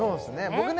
僕ね